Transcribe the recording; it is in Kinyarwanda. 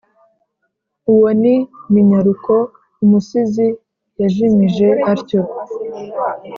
uwo ni minyaruko umusizi yajimije atyo